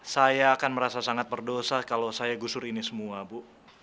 saya akan merasa sangat berdosa kalau saya gusur ini semua bu